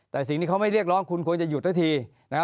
แต่สิ่งที่เขาไม่เรียกร้องคุณควรจะหยุดสักทีนะฮะ